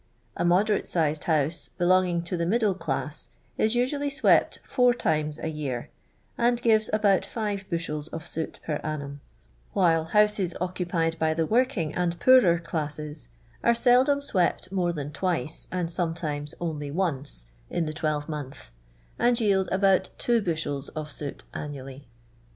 A moderate sixed house, belonging to the " middle class," is usually swept four times a year, and gives about five bushels of soot per annum ; while houses occupied by the working and poorer classes arc seldom swept more than twice, and sometimes only once, in the twelre month, and yield about two bushels of toot annually.